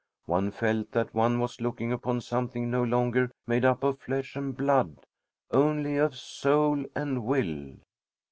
One felt that one was looking upon something no longer made up of flesh and blood, only of soul and will.